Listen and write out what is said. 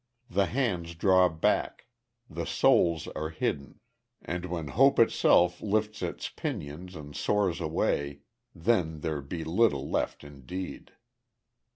The hands draw back; the souls are hidden; and when Hope itself lifts its pinions and soars away, then there be little left indeed.